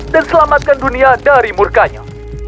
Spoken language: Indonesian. dan selamatkan dunia dari murkanya